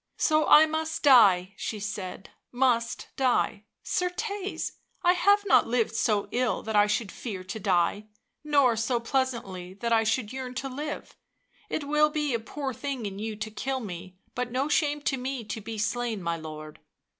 " So I must die," she said —" must die. Certcs ! I have not lived so ill that I should fear to die, nor so pleasantly that I should yearn to live; it will be a poor thing in you to kill me, but no shame to me to be slain, my lord."